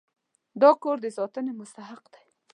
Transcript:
دا کور د ساتنې مستحق دی.